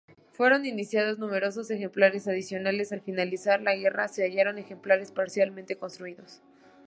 Fueron iniciados numerosos ejemplares adicionales, al finalizar la guerra se hallaron ejemplares parcialmente construidos.